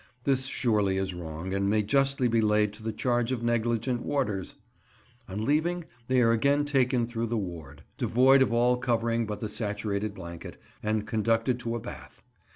This surely is wrong, and may justly be laid to the charge of negligent warders! On leaving they are again taken through the ward, devoid of all covering but the saturated blanket, and conducted to a bath.